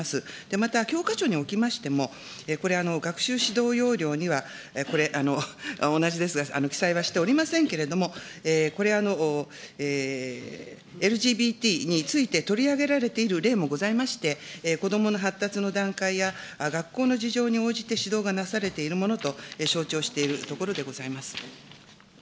また、教科書におきましても、これ、学習指導要領には、これ、同じですが、記載はしておりませんけれども、これはＬＧＢＴについて取り上げられている例もございまして、子どもの発達の段階や、学校の事情に応じて指導がなされているものと承知をしているところでございます。